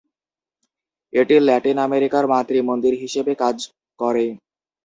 এটি ল্যাটিন আমেরিকার মাতৃ মন্দির হিসেবে কাজ করে।